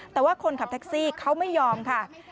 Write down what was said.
แต่ว่าคนขับแท็กซี่เขาไม่ยอมค่ะ